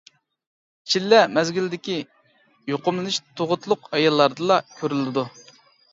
چىللە مەزگىلىدىكى يۇقۇملىنىش تۇغۇتلۇق ئاياللاردىلا كۆرۈلىدۇ.